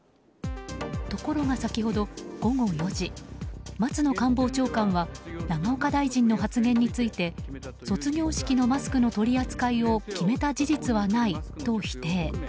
ところが先ほど午後４時松野官房長官は永岡大臣の発言について卒業式のマスクの取り扱いを決めた事実はないと否定。